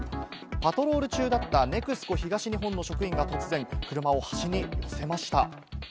パトロール中だったＮＥＸＣＯ東日本の職員が突然、車を端に寄せました。